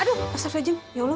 aduh pasang sejen ya allah